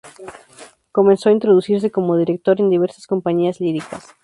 Comenzó a introducirse como director en diversas compañías líricas.